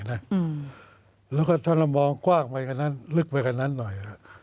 แล้วก็ถ้าเรามองกว้างไปกันหน่อยลึกไปกันหน่อย